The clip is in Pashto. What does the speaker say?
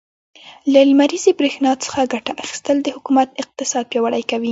له لمريزې برښنا څخه ګټه اخيستل, د حکومت اقتصاد پياوړی کوي.